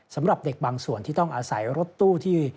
สำหรับเด็กบางส่วนที่ต้องอาศัยรถตู้ที่